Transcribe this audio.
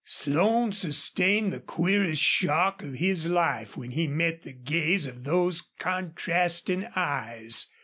Slone sustained the queerest shock of his life when he met the gaze of those contrasting eyes.